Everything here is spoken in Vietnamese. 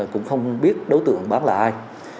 cũng không biết đối tượng bán là ai